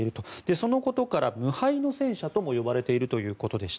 そのことから無敗の戦車とも呼ばれているということでした。